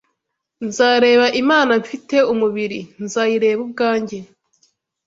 Nzareba Imana mfite umubiri. Nzayireba ubwanjye